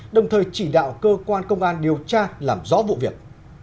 đồng thời chỉ đạo cơ quan công an điều tra làm rõ vụ việc